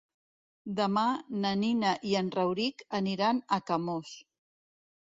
Demà na Nina i en Rauric aniran a Camós.